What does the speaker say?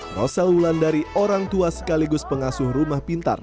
noseulan dari orang tua sekaligus pengasuh rumah pintar